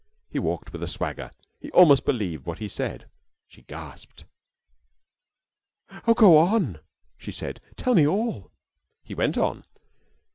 He walked with a swagger. He almost believed what he said. She gasped. "Oh, go on!" she said. "Tell me all." He went on.